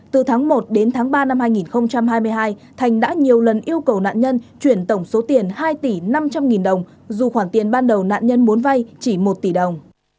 từ tháng một đến tháng ba năm hai nghìn hai mươi hai thành đã nhiều lần yêu cầu nạn nhân chuyển tổng số tiền hai tỷ năm trăm linh nghìn đồng dù khoản tiền ban đầu nạn nhân muốn vay chỉ một tỷ đồng